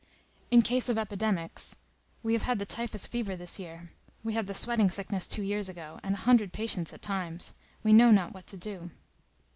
"In case of epidemics,—we have had the typhus fever this year; we had the sweating sickness two years ago, and a hundred patients at times,—we know not what to do."